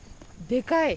でかい。